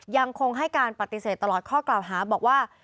ยังคงให้การปฏิเสธตลอดข้อกล่าวหาบอกว่า